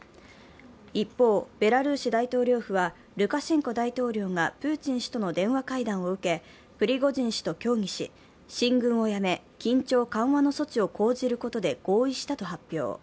一方、ベラルーシ大統領府は、ルカシェンコ大統領がプーチン氏との電話会談を受けプリゴジン氏と協議し、進軍をやめ緊張緩和の措置を講じることで合意したと発表。